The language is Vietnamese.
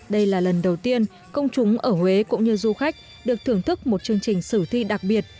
đây là lần đầu tiên công chúng ở huế cũng như du khách được thưởng thức một chương trình sử thi đặc biệt